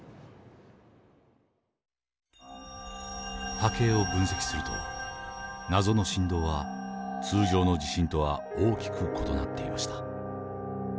波形を分析すると謎の震動は通常の地震とは大きく異なっていました。